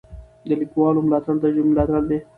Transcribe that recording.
د لیکوالو ملاتړ د ژبې ملاتړ دی.